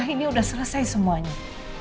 ini udah selesai semuanya